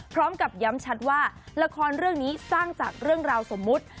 พร้อมกับย้ำชัดว่าละครเรื่องนี้สร้างจากเรื่องราวสมมุติ